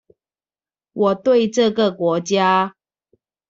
我對這個國家